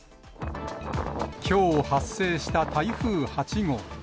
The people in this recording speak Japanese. きょう発生した台風８号。